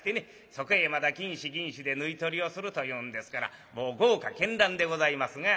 そこへまた金糸銀糸で縫い取りをするというんですからもう豪華絢爛でございますが。